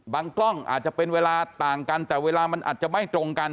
กล้องอาจจะเป็นเวลาต่างกันแต่เวลามันอาจจะไม่ตรงกัน